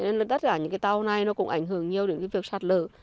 nên là tất cả những cái tàu này nó cũng ảnh hưởng nhiều đến cái việc sạt lở